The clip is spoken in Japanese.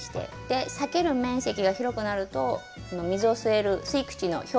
裂ける面積が広くなると水を吸える吸い口の表面積が広がるので。